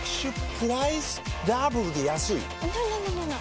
プライスダブルで安いＮｏ！